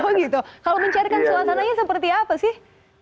oh gitu kalau mencarikan suasananya seperti apa sih